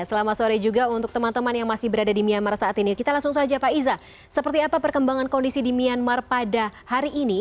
selamat sore juga untuk teman teman yang masih berada di myanmar saat ini kita langsung saja pak iza seperti apa perkembangan kondisi di myanmar pada hari ini